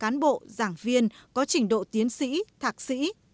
cán bộ giảng viên có trình độ tiến sĩ thạc sĩ